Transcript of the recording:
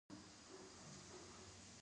بهرنیو چارو وزارت څنګه اړیکې ساتي؟